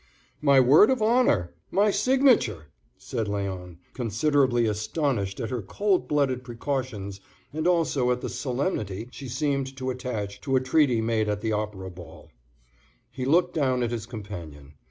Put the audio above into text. "My word of honor! My signature!" said Léon, considerably astonished at her cold blooded precautions and also at the solemnity she seemed to attach to a treaty made at the Opera Ball. He looked down at his companion.